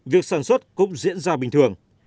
việc sản xuất cũng diễn ra bình thường